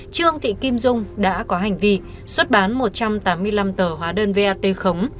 trương thị kim dung đã có hành vi xuất bán một trăm tám mươi năm tờ hóa đơn vat khống